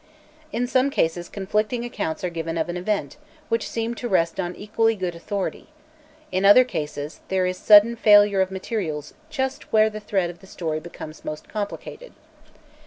In some cases conflicting accounts are given of an event which seem to rest on equally good authority; in other cases, there is a sudden failure of materials just where the thread of the story becomes most complicated.